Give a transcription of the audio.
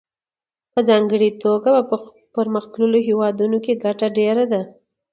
په ځانګړې توګه په پرمختللو هېوادونو کې ګټه ډېره ده